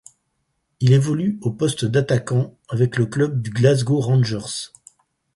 Il évolue au poste d'attaquant avec le club du Glasgow Rangers.